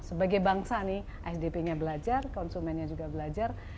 sebagai bangsa nih sdp nya belajar konsumennya juga belajar